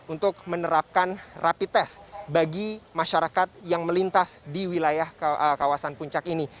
untuk menerapkan rapi tes bagi masyarakat yang melintas di wilayah kawasan puncak ini